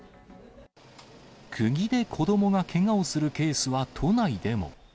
くぎで子どもがけがをするケースは、都内でも。